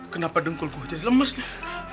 kenapa dengkul gue jadi lemes nih